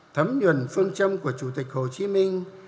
thấm nhuần phương châm của chủ tịch hồ chí minh